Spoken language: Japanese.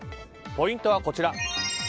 ポイントはこちら。